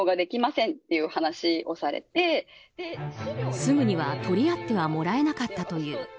すぐには取り合ってはもらえなかったという。